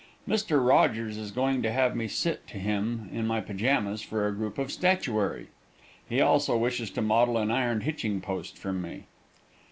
Mr. Rogers is going to have me sit to him in my pajamas for a group of statuary. He also wishes to model an iron hitching post from me.